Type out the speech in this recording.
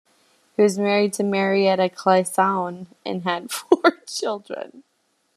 He was married to Marrietta Clason and had four children.